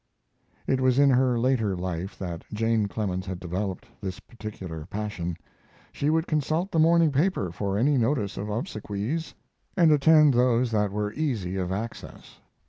It was in her later life that Jane Clemens had developed this particular passion. She would consult the morning paper for any notice of obsequies and attend those that were easy of access.